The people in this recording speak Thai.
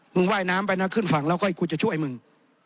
ว่ายน้ำไปนะขึ้นฝั่งแล้วค่อยกูจะช่วยมึง